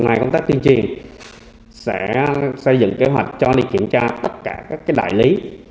ngoài công tác tuyên truyền sẽ xây dựng kế hoạch cho đi kiểm tra tất cả các đại lý